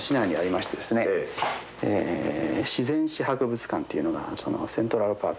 自然史博物館っていうのがセントラルパーク